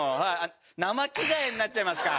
生着替えになっちゃいますか？